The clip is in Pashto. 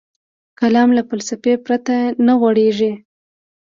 کلام له فلسفې پرته نه غوړېږي.